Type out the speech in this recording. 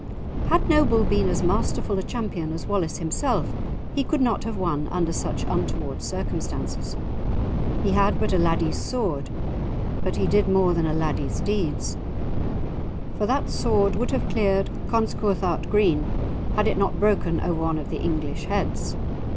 Had Noble been as masterful a champion as Wallace himself, he could not have won under such untoward circumstances. He had but a laddie's sword, but he did more than a laddie's deeds, for that sword would have cleared Conscouthart green had it not broken over one of the English heads.